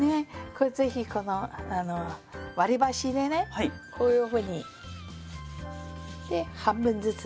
是非この割り箸でねこういうふうに。で半分ずつ。